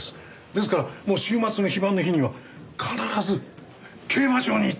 ですから週末の非番の日には必ず競馬場に行ってたんだそうです。